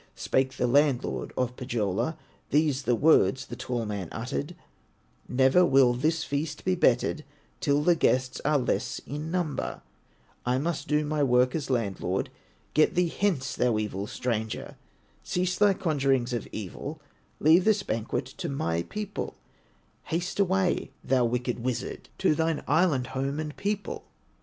Spake the landlord of Pohyola, These the words the tall man uttered: "Never will this feast be bettered Till the guests are less in number; I must do my work as landlord, Get thee hence, thou evil stranger, Cease thy conjurings of evil, Leave this banquet of my people, Haste away, thou wicked wizard, To thine Island home and people!"